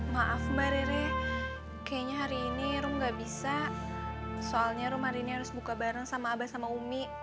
maaf mba rere kayaknya hari ini rom nggak bisa soalnya rom hari ini harus buka bareng sama aba sama umi